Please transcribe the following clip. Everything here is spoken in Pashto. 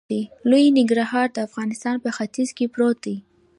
لوی ننګرهار د افغانستان په ختیځ کې پروت دی.